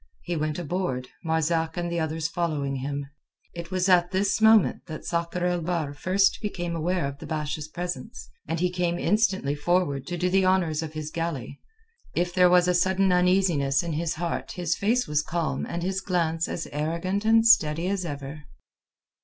He went aboard, Marzak and the others following him. It was at this moment that Sakr el Bahr first became aware of the Basha's presence, and he came instantly forward to do the honours of his galley. If there was a sudden uneasiness in his heart his face was calm and his glance as arrogant and steady as ever.